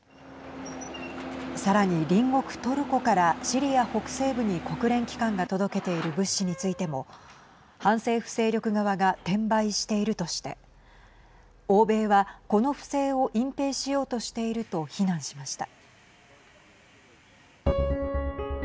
さらに隣国トルコからシリア北西部に国連機関が届けている物資についても反政府勢力側が転売しているとして欧米は、この不正を隠蔽しようとしていると非難しました。